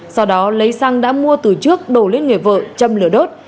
sau đó lấy xăng đã mua từ trước đổ lên người vợ châm lửa đốt